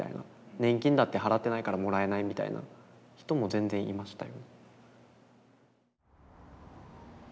「年金だって払ってないからもらえない」みたいな人も全然いましたよ。